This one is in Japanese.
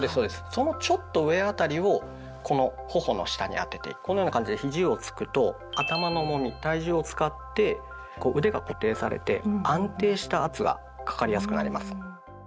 そのちょっと上辺りをこの頬の下に当ててこのような感じでひじをつくと頭の重み体重を使って腕が固定されて安定した圧がかかりやすくなります。